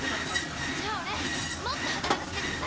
じゃあ俺もっと働かせてください！